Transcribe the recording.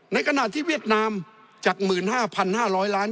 ในขณะที่เวียดนามจาก๑๕๕๐๐ล้าน